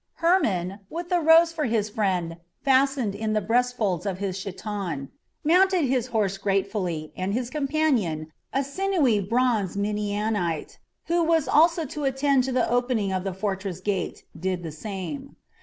Hermon, with the rose for his friend fastened in the breast folds of his chiton, mounted his horse gratefully, and his companion, a sinewy, bronzed Midianite, who was also to attend to the opening of the fortress gates, did the same.